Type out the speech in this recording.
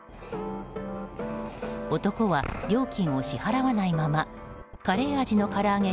男は料金を支払わないままカレー味の唐揚げ